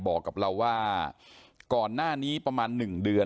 บอกกับเราว่าก่อนหน้านี้ประมาณ๑เดือน